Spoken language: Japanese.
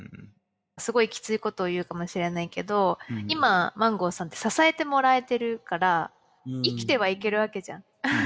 すごいきついことを言うかもしれないけど今マンゴーさんって支えてもらえてるから生きてはいけるわけじゃん。